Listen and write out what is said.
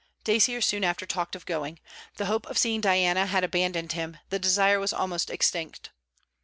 Dacier soon after talked of going. The hope of seeing Diana had abandoned him, the desire was almost extinct.